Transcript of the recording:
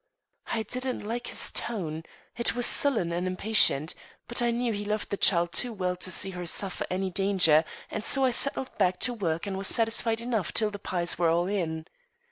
I didn't like his tone it was sullen and impatient, but I knew he loved the child too well to see her suffer any danger, and so I settled back to work and was satisfied enough till the pies were all in.